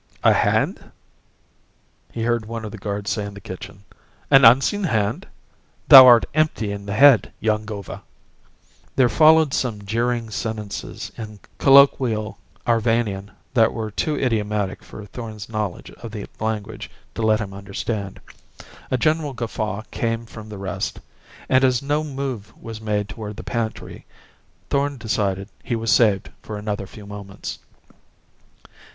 "A hand?" he heard one of the guards say in the kitchen. "An unseen hand? Thou art empty in the head, young Gova." There followed some jeering sentences in colloquial Arvanian that were too idiomatic for Thorn's knowledge of the language to let him understand. A general guffaw came from the rest; and, as no move was made toward the pantry, Thorn decided he was saved for another few moments.